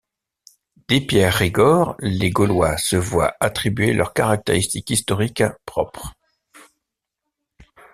Dès Pierre Rigord, les Gaulois se voient attribuer leurs caractéristiques historiques propres.